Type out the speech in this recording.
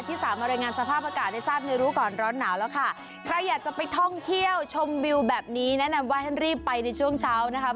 สามารถรายงานสภาพอากาศได้ทราบในรู้ก่อนร้อนหนาวแล้วค่ะใครอยากจะไปท่องเที่ยวชมวิวแบบนี้แนะนำว่าให้รีบไปในช่วงเช้านะคะ